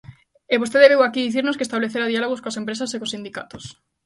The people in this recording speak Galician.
E vostede veu aquí dicirnos que establecera diálogo coas empresas e cos sindicatos.